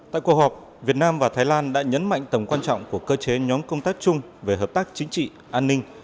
tại cuộc họp việt nam và thái lan đã nhấn mạnh tầm quan trọng của cơ chế nhóm công tác chung về hợp tác chính trị an ninh